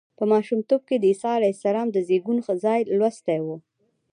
ما په ماشومتوب کې د عیسی علیه السلام د زېږون ځای لوستی و.